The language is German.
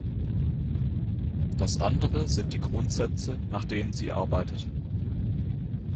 Das andere sind die Grundsätze, nach denen sie arbeitet.